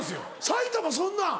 埼玉そんなん？